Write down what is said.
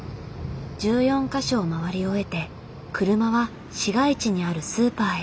１４か所を回り終えて車は市街地にあるスーパーへ。